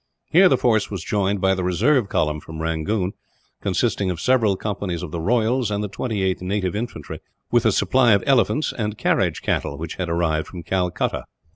Here the force was joined by the reserve column from Rangoon, consisting of several companies of the Royals and the 28th Native Infantry, with a supply of elephants and carriage cattle which had arrived from Calcutta.